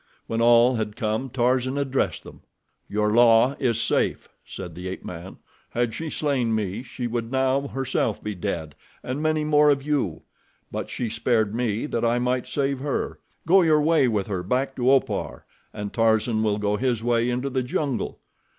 When all had come Tarzan addressed them. "Your La is safe," said the ape man. "Had she slain me she would now herself be dead and many more of you; but she spared me that I might save her. Go your way with her back to Opar, and Tarzan will go his way into the jungle.